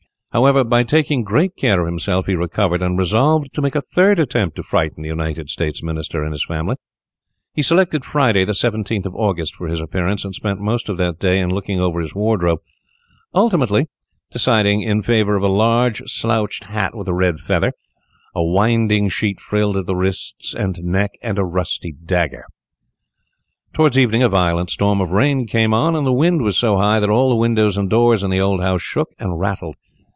However, by taking great care of himself, he recovered, and resolved to make a third attempt to frighten the United States Minister and his family. He selected Friday, August 17th, for his appearance, and spent most of that day in looking over his wardrobe, ultimately deciding in favour of a large slouched hat with a red feather, a winding sheet frilled at the wrists and neck, and a rusty dagger. Towards evening a violent storm of rain came on, and the wind was so high that all the windows and doors in the old house shook and rattled.